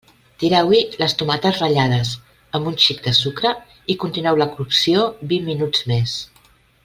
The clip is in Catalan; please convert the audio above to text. Tireu-hi les tomates ratllades amb un xic de sucre i continueu la cocció vint minuts més.